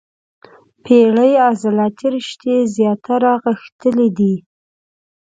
پېړې عضلاتي رشتې زیاتره غښتلي دي.